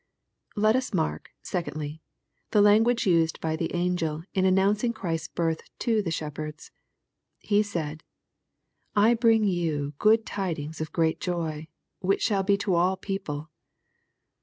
Let us mark, secondly, the language used by the angel in announcing Chrisfs birth to the shepherds. He said, " I bring you good tidings "of great joy, which shall be to all people."